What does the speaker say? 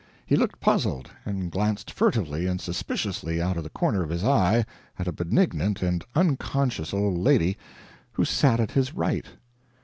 He looked puzzled, and glanced furtively and suspiciously out of the corner of his eye at a benignant and unconscious old lady who sat at his right.